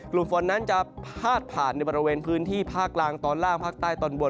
กลุ่มฝนนั้นจะพาดผ่านในบริเวณพื้นที่ภาคกลางตอนล่างภาคใต้ตอนบน